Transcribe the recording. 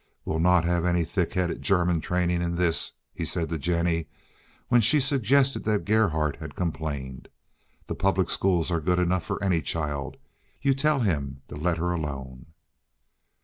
"We'll not have any thick headed German training in this," he said to Jennie, when she suggested that Gerhardt had complained. "The public schools are good enough for any child. You tell him to let her alone."